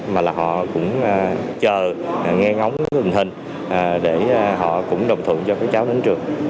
mà là họ cũng chờ nghe ngóng đường hình để họ cũng đồng thuận cho các cháu đến trường